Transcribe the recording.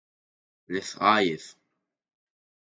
Les Hayes